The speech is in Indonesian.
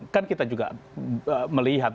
kan kita juga melihat